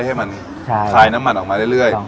ให้มันคลายน้ำมันออกมาเรื่อย